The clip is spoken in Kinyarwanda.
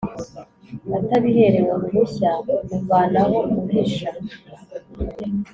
atabiherewe uruhushya uvanaho uhisha